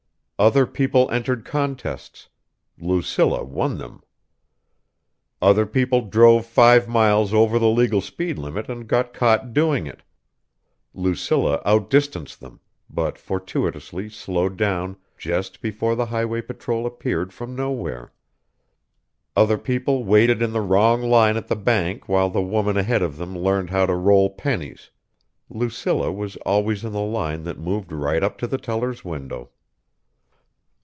Other people entered contests Lucilla won them. Other people drove five miles over the legal speed limit and got caught doing it Lucilla out distanced them, but fortuitously slowed down just before the highway patrol appeared from nowhere. Other people waited in the wrong line at the bank while the woman ahead of them learned how to roll pennies Lucilla was always in the line that moved right up to the teller's window.